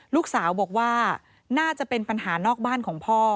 ลูกสาวบอกว่าน่าจะเป็นปัญหานอกบ้านของพ่อ